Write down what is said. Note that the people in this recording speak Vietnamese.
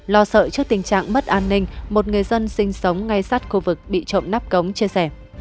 lo sợ trước tình trạng mất an ninh một người dân sinh sống ngay sát khu vực bị trộm nắp cống chia sẻ